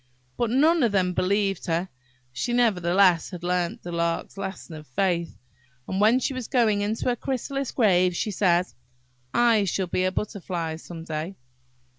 But none of them believed her. She nevertheless had learnt the Lark's lesson of faith, and when she was going into her chrysalis grave, she said–"I shall be a Butterfly some day!"